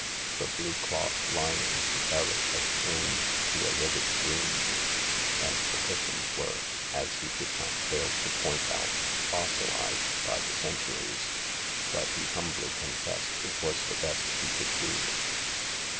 The blue cloth lining of the carriage had turned to a livid green, and the cushions were, as he did not fail to point out, fossilised by the centuries. But, he humbly confessed, it was the best he could do.